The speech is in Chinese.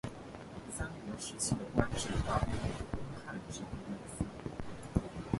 三国时期的官制大多与东汉制度类似。